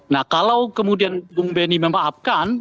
nah kalau kemudian bung benny memaafkan